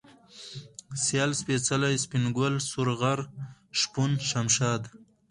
سيال ، سپېڅلى ، سپين گل ، سورغر ، شپون ، شمشاد